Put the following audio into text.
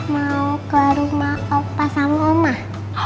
mau ke rumah opa sama omah